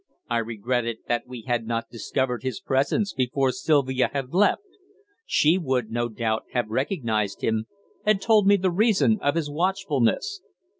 I regretted that we had not discovered his presence before Sylvia had left. She would, no doubt, have recognized him, and told me the reason of his watchfulness.